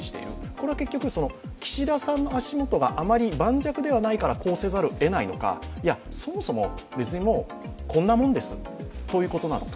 これは結局、岸田さんの足元があまり盤石ではないからこうせざるをえないのか、そもそも別にもうこんなもんですという感じなのか。